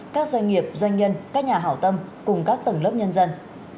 các doanh nghiệp doanh nhân các nhà hảo tâm cùng các tầng lớp nhân dân